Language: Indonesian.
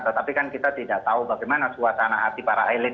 tetapi kan kita tidak tahu bagaimana suasana hati para elit